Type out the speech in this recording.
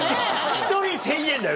１人１０００円だよ？